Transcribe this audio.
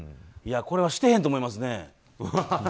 これはしてへんと思いますね。